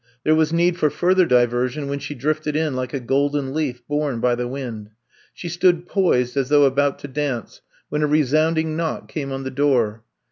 There was need for further diversion when she drifted in like a golden leaf borne by the wind. She stood poised, as though about to dance. 132 I'VE COMB TO STAY when a resounding knock came on the door.